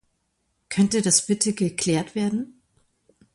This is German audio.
Könnte das bitte geklärt werden?